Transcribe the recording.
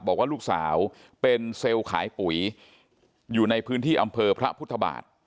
บอกว่าลูกสาวเป็นเซลล์ขายปุ๋ยอยู่ในพื้นที่อำเภอพระพุทธบาท